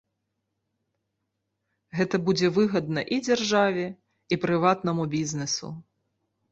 Гэта будзе выгадна і дзяржаве, і прыватнаму бізнэсу.